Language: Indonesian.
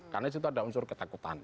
karena itu ada unsur ketakutan